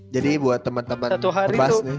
jadi buat temen temen tebas nih